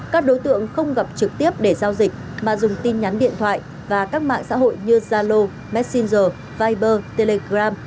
các đối tượng không gặp trực tiếp để giao dịch mà dùng tin nhắn điện thoại và các mạng xã hội như zalo messenger viber telegram